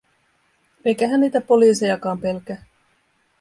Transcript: Eikä hän niitä poliisejakaan pelkää.